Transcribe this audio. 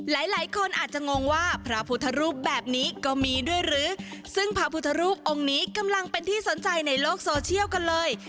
หลายคนอาจจะงงว่าพระพุทธรูปแบบนี้ก็มีด้วยหรือซึ่งพระพุทธรูปองค์นี้กำลังเป็นที่สนใจในโลกโซเชียลกันเลย